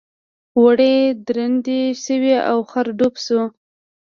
وړۍ درندې شوې او خر ډوب شو.